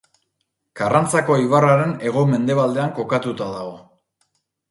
Karrantzako ibarraren hego-mendebaldean kokatuta dago.